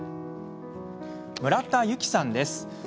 村田ゆきさんです。